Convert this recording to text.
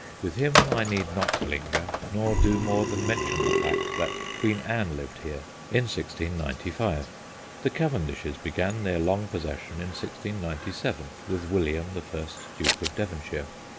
With him I need not linger, nor do more than mention the fact that Queen Anne lived here in 1695. The Cavendishes began their long posses sion in 1697 with William, the first Duke of Devonshire.